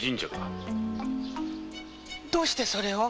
どうしてそれを！？